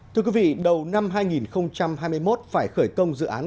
thưa quý vị đầu năm hai nghìn hai mươi một phải khởi công dự án cảng hàng không quốc